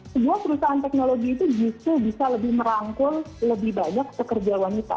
sebuah perusahaan teknologi itu justru bisa lebih merangkul lebih banyak pekerja wanita